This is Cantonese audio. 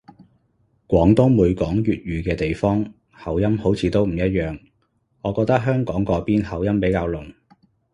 廣東每講粵語嘅地方口音好似都唔一樣，我覺得香港嗰邊口音比較濃